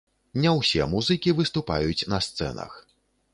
Не ўсе музыкі выступаюць на сцэнах.